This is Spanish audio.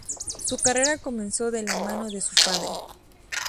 Su carrera comenzó de la mano de su padre.